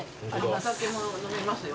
お酒も飲みますよ。